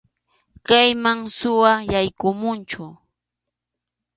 Kayman suwa yaykumunchu.